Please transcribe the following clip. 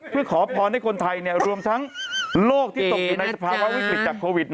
เพื่อขอพรให้คนไทยรวมทั้งโลกที่ตกอยู่ในสภาวะวิกฤตจากโควิด